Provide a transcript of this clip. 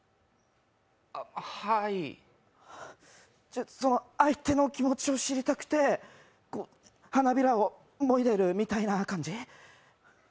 じゃ、相手の気持ちを知りたくて花びらをもいでるみたいな感じ？